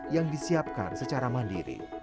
yang disiapkan secara mandiri